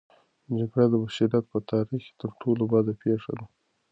جګړه د بشریت په تاریخ کې تر ټولو بده پېښه ده.